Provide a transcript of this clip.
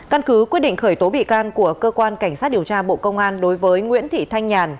căn cứ quyết định khởi tố bị can của cơ quan cảnh sát điều tra bộ công an đối với nguyễn thị thanh nhàn